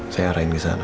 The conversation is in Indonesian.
saya arahin kesana